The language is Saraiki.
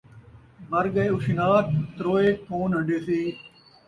مر ڳئے اُشناک ، تروئے کون ہن٘ڈھیسی